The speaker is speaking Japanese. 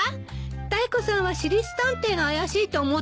タイコさんは私立探偵が怪しいと思ってたらしいの。